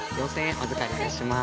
お預かりいたします。